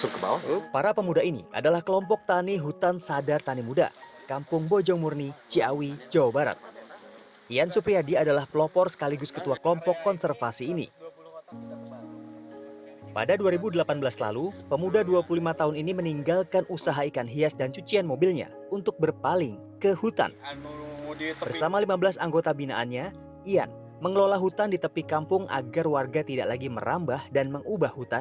kita langsung ke bawah